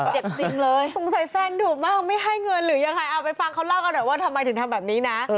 เจ็บจริงเลยสงสัยแฟนดุมากไม่ให้เงินหรือยังไงเอาไปฟังเขาเล่ากันหน่อยว่าทำไมถึงทำแบบนี้นะ